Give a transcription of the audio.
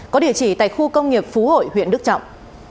có địa chỉ tại khu công nghiệp phú hội huyện đức trọng